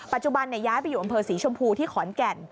ปัจจุบันย้ายไปอยู่อำเภอสีชมพูที่ขอนแก่น